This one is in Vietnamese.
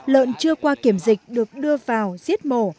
lợn chưa qua kiểm dịch được đưa vào giết mổ